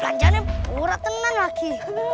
ganjanya pura tenang lagi